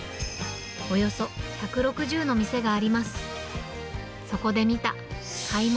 およそ１６０の店があります。